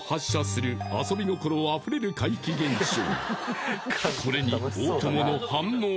する遊び心あふれる怪奇現象